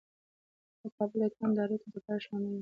متقابل احترام د اړیکو د پایښت لامل دی.